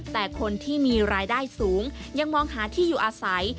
แต่คนที่มีรายได้สูงยังมองหาที่อยู่อาศัย